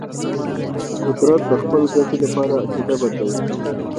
قدرت د خپل ګټې لپاره عقیده بدلوي.